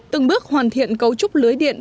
từng bước hoàn thiện cấu trúc lưới điện